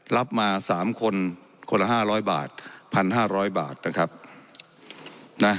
รับมาสามคนคนละห้าร้อยบาทพันห้าร้อยบาทนะครับนะ